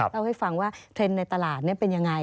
เล่าให้ฟังว่าเทรนด์ในตลาดเป็นยังไง